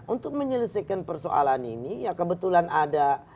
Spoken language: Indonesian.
untuk menyelesaikan persoalan ini ya kebetulan ada